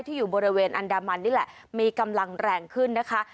อยู่บริเวณอันดามันนี่แหละมีกำลังแรงขึ้นนะคะ